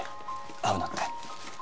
会うなって？